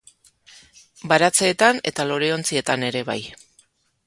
Baratzeetan eta loreontzietan ere bai.